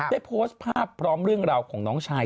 ได้โพสต์ภาพพร้อมเรื่องราวของน้องชาย